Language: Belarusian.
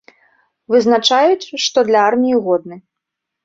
Вызначаюць, што для арміі годны.